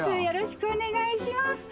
よろしくお願いします。